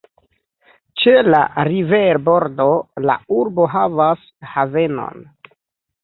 Ĉe la riverbordo la urbo havas havenon.